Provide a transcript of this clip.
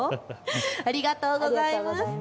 ありがとうございます。